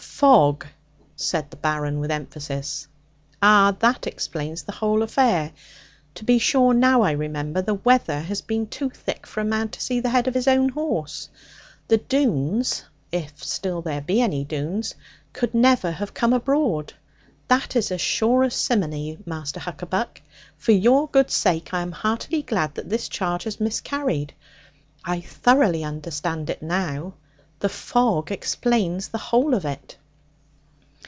'Fog!' said the Baron, with emphasis. 'Ah, that explains the whole affair. To be sure, now I remember, the weather has been too thick for a man to see the head of his own horse. The Doones (if still there be any Doones) could never have come abroad; that is as sure as simony. Master Huckaback, for your good sake, I am heartily glad that this charge has miscarried. I thoroughly understand it now. The fog explains the whole of it.'